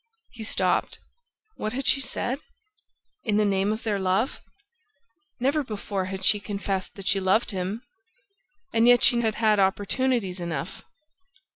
..." He stopped. What had she said? ... In the name of their love? ... Never before had she confessed that she loved him. And yet she had had opportunities enough